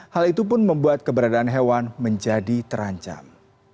hal itu pun membuat keberadaan hewan menjadi terancam